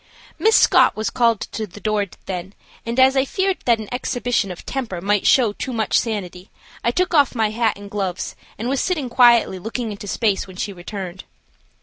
Miss Scott was called to the door then, and as I feared that an exhibition of temper might show too much sanity I took off my hat and gloves and was sitting quietly looking into space when she returned.